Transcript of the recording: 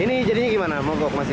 ini jadinya gimana mogok masih